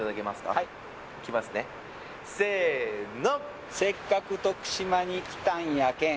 はいいきますねせーの「せっかく徳島に来たんやけん」